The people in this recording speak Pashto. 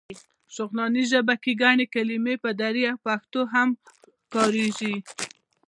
شغناني ژبه کې ګڼې کلمې په دري او پښتو کې هم کارېږي.